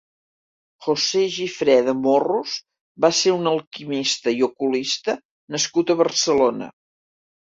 José Gifreda Morros va ser un alquimista i ocultista nascut a Barcelona.